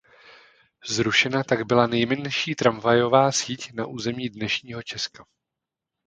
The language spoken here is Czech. Zrušena tak byla nejmenší tramvajová síť na území dnešního Česka.